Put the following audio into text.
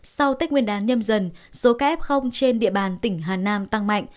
sau tết nguyên đán nhâm dần số ca f trên địa bàn tỉnh hà nam tăng mạnh